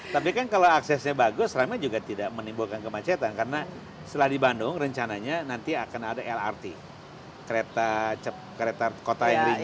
tapi kan kalau aksesnya bagus ramai juga tidak menimbulkan kemacetan karena setelah di bandung rencananya nanti akan ada lrt kereta kota yang ringan